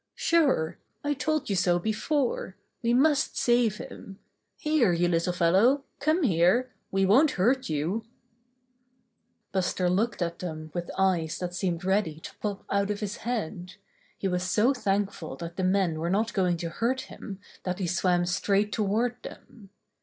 "Sure! I told you so before. We must save him. Here, little fellow! Come here! We won't hurt you !" 31 32 Buster the Bear Buster looked at them with eyes that seemed ready to pop out of his head. He was so thankful that the men were not going to hurt him that he swam straight toward them.